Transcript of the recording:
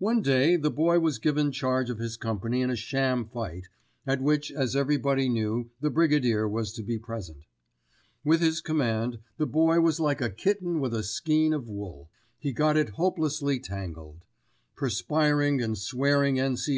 One day the Boy was given charge of his company in a sham fight, at which as everybody knew the Brigadier was to be present. With his command, the Boy was like a kitten with a skein of wool. He got it hopelessly tangled. Perspiring and swearing N.C.O.